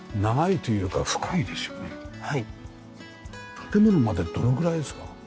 建物までどのぐらいですか？